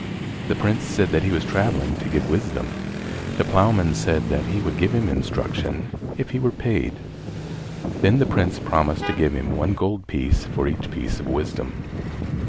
The Prince said that he was travelling to get wisdom. The ploughman said that he would give him instruction if he were paid. Then the Prince promised to give him one gold piece for each piece of wisdom.